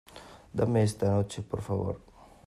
dame esta noche, por favor.